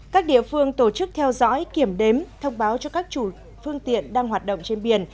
các địa phương tổ chức theo dõi kiểm đếm thông báo cho các chủ phương tiện đang hoạt động trên biển